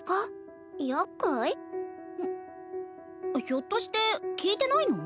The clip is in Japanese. ひょっとして聞いてないの？